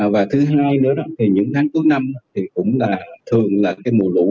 và thứ hai nữa đó thì những tháng cuối năm thì cũng là thường là cái mùa lũ